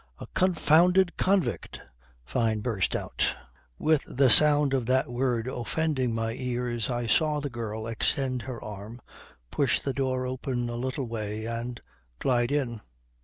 "A confounded convict," Fyne burst out. With the sound of that word offending my ears I saw the girl extend her arm, push the door open a little way and glide in.